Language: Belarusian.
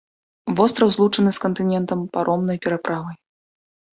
Востраў злучаны з кантынентам паромнай пераправай.